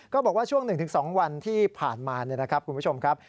บอกว่าช่วง๑๒วันที่ผ่านมานะครับคุณผู้ชมครับ